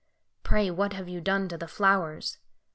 Pray what have you done to the flowers?